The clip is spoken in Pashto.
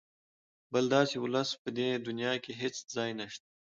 بل داسې ولس په دې دونیا کې هېڅ ځای نشته.